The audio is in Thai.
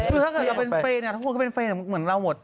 คือถ้าเกิดเราเป็นเฟรนทุกคนก็เป็นเฟรนเหมือนเราหมด